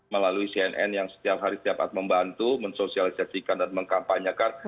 melalui cnn yang setiap hari siap membantu mensosialisasikan dan mengkampanyakan